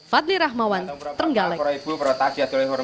fadli rahmawan terenggalek